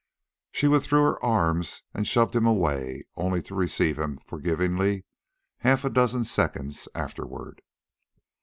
She withdrew her arms and shoved him away, only to receive him forgivingly half a dozen seconds afterward.